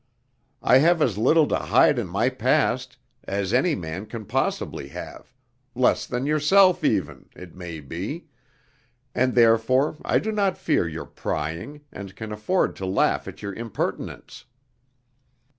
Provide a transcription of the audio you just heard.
I have as little to hide in my past as any man can possibly have less than yourself even, it may be and therefore I do not fear your prying, and can afford to laugh at your impertinence.